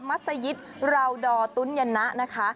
สยิตราวดอตุ๋นยนะนะคะ